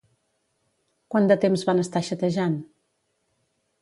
Quant de temps van estar xatejant?